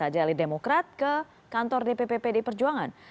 hari ini saja ali demokrat ke kantor dpp pd perjuangan